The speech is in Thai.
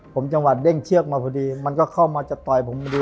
ผมจังหวัดเด้งเชือกมาพอดีมันก็เข้ามาจะต่อยผมพอดี